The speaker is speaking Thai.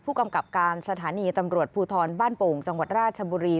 กำกับการสถานีตำรวจภูทรบ้านโป่งจังหวัดราชบุรี